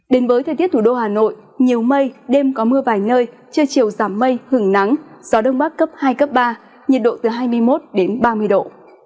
đến với thời tiết thủ đô hà nội nhiều mây đêm có mưa vài nơi trưa chiều giảm mây hứng nắng gió đông bắc cấp hai cấp ba nhiệt độ từ hai mươi một đến ba mươi độ